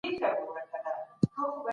دا کالي تر هغه بل ډېر کلک دي.